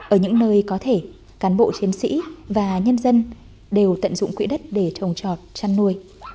ở những nơi có thể cán bộ chiến sĩ và nhân dân đều tận dụng quỹ đất để trồng trọt chăn nuôi